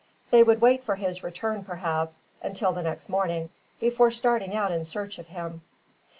They would wait for his return perhaps, until the next morning, before starting out in search of him.